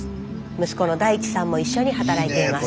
息子の大地さんも一緒に働いています。